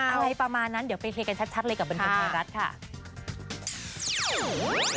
อะไรประมาณนั้นเดี๋ยวไปเคลียร์กันชัดเลยกับบันเทิงไทยรัฐค่ะ